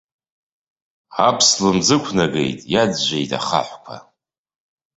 Аԥслымӡ ықәнагеит, иаӡәӡәеит ахаҳәқәа.